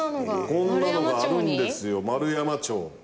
こんなのがあるんですよ円山町。